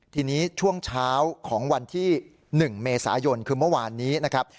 ทีนี้ช่วงเช้าของวันที่๑เมษายนคือเมื่อวานนี้นะครับ